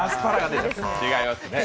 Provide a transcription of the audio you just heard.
違いますね。